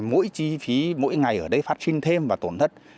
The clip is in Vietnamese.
mỗi ngày ở đây phát triển thêm và tổn thất